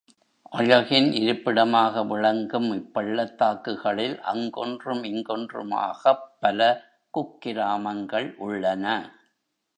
அழகின் இருப்பிடமாக விளங்கும் இப்பள்ளத்தாக்குகளில் அங்கொன்றும் இங்கொன்றுமாகப் பல குக்கிராமங்கள் உள்ளன.